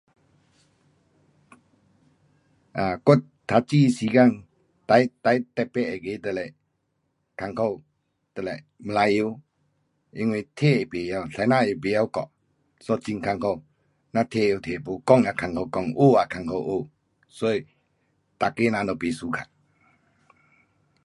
啊，我读书时间最，最特别那个就是困苦，就是马来语，因为听不会，先生也不会教，so 很困苦。咱听也不晓，讲也困苦讲，学也困苦学。所以每个人都不 suka.